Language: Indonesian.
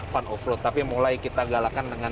fun offroad tapi mulai kita galakan dengan